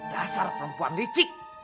dasar perempuan licik